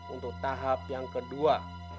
untuk tahap yang kedua